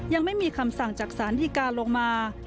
ยังไม่มีคำสั่งจากสารดีการลงมา